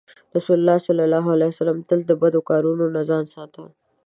رسول الله ﷺ تل د بدو کارونو نه ځان ساته.